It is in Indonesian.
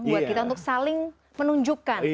buat kita untuk saling menunjukkan